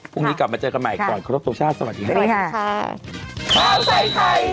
พรุ่งนี้กลับมาเจอกันใหม่ก่อนครบโตชาติสวัสดีค่ะ